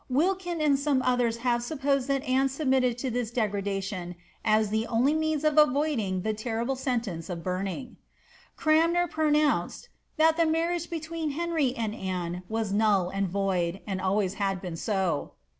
Wilkin and some otben have supposed that Anne submitted to this demdation as the only means of avoiding the terrible sentence of burning.' Cranmer pronounced ^^ that the marriage between Henry and Anne was null and void, and always had been so.